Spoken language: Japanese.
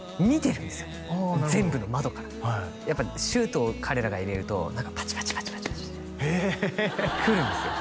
あなるほどはい全部の窓からやっぱシュートを彼らが入れると何かパチパチパチパチへえくるんですよ